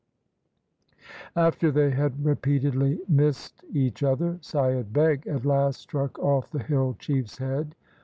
After they had repeatedly missed each other, Saiyad Beg at last struck off the hill chiefs head.